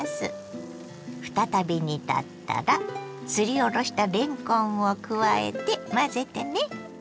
再び煮立ったらすりおろしたれんこんを加えて混ぜてね。